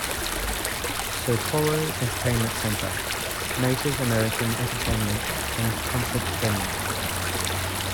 Socorro Entertainment Center - Native American entertainment and concert venue.